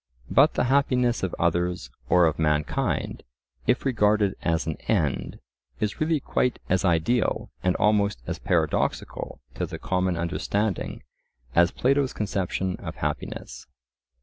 But the happiness of others or of mankind, if regarded as an end, is really quite as ideal and almost as paradoxical to the common understanding as Plato's conception of happiness.